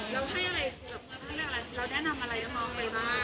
แล้วให้อะไรสำหรับเราแนะนำอะไรด้วยบ้าง